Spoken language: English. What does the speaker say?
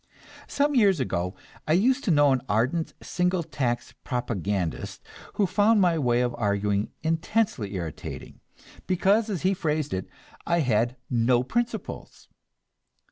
Some years ago I used to know an ardent single tax propagandist who found my way of arguing intensely irritating, because, as he phrased it, I had "no principles."